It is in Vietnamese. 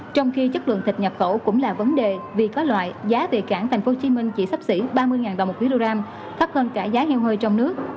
trong khi chất lượng thịt nhập khẩu cũng là vấn đề vì có loại giá tại cảng tp hcm chỉ sắp xỉ ba mươi đồng một kg thấp hơn cả giá heo hơi trong nước